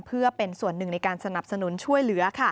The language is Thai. เพื่อเป็นส่วนหนึ่งในการสนับสนุนช่วยเหลือ